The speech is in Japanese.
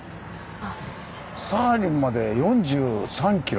サハリンまで４３ｋｍ。